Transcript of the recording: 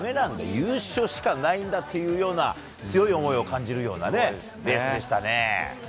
優勝しかないんだというような強い思いを感じるようなレースでしたね。